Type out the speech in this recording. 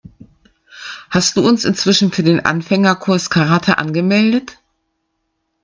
Hast du uns inzwischen für den Anfängerkurs Karate angemeldet?